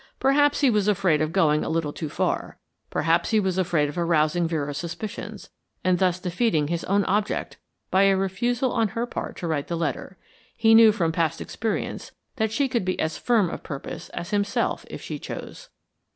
Perhaps he was afraid of going a little too far; perhaps he was afraid of arousing Vera's suspicions, and thus defeating his own object by a refusal on her part to write the letter. He knew from past experience that she could be as firm of purpose as himself if she chose.